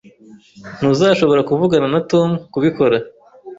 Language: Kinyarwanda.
Ntuzashobora kuvugana na Tom kubikora